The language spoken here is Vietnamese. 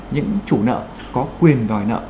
những chủ nợ có quyền đòi nợ